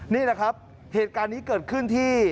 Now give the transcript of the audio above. นี่แหละครับเหตุการณ์นี้เกิดขึ้นที่